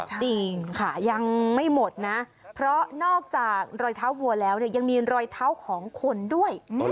จริงค่ะยังไม่หมดนะเพราะนอกจากรอยเท้าวัวแล้วเนี่ยยังมีรอยเท้าของคนด้วย